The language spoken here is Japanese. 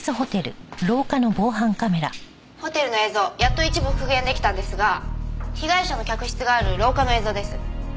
ホテルの映像やっと一部復元出来たんですが被害者の客室がある廊下の映像です。